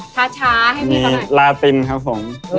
ช้าให้มีสักหน่อยครับหน่อย